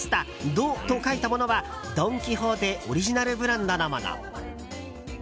「ド」と書いたものはドン・キホーテオリジナルブランドのもの。